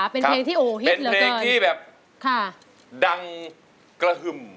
เป็นเพลงที่แบบดังกระฮึ่ม